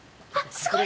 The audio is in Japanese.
すごい！